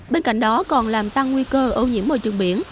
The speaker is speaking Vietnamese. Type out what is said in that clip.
bên cạnh đó còn làm tăng nguy cơ ô nhiễm môi trường biển